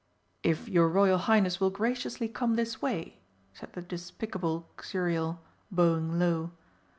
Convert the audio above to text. "If your Royal Highness will graciously come this way," said the despicable Xuriel, bowing low.